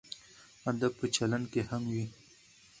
ادب په چلند کې هم وي.